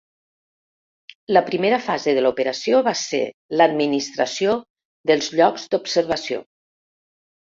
La primera fase de l'operació va ser l'administració dels llocs d'observació.